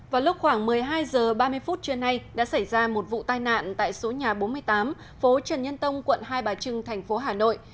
vào lúc khoảng một mươi hai h ba mươi phút trưa nay đã xảy ra một vụ tai nạn tại số nhà bốn mươi tám phố trần nhân tông quận hai bà trưng thành phố hà nội